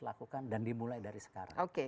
lakukan dan dimulai dari sekarang